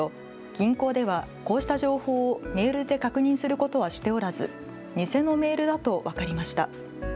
銀行ではこうした情報をメールで確認することはしておらず偽のメールだと分かりました。